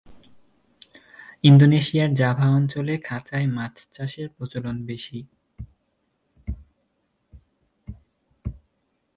ইন্দোনেশিয়ার জাভা অঞ্চলে খাঁচায় মাছ চাষের প্রচলন বেশি।